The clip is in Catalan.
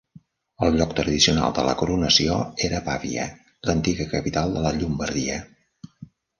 El lloc tradicional de la coronació era Pavia, l'antiga capital de la Llombardia.